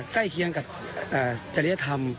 ใกล้เคียงกับจริยธรรม